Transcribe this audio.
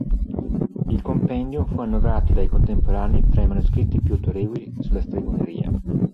Il "Compendium" fu annoverato dai contemporanei tra i manoscritti più autorevoli sulla stregoneria.